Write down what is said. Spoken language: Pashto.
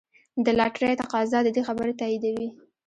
د لاټرۍ تقاضا د دې خبرې تاییدوي.